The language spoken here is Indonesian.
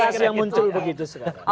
kasus yang muncul begitu sekarang